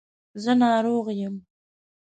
زه ناروغ یم